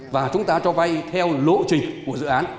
và chúng ta cho vay theo lộ trình của dự án